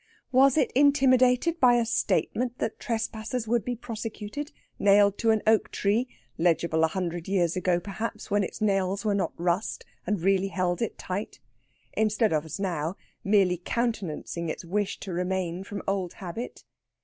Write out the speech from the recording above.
Was it intimidated by a statement that trespassers would be prosecuted, nailed to an oak tree, legible a hundred years ago, perhaps, when its nails were not rust, and really held it tight instead of, as now, merely countenancing its wish to remain from old habit?